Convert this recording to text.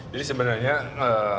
jadi sebenarnya eee